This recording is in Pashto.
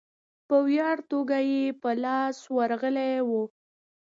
په وړیا توګه یې په لاس ورغلی وو.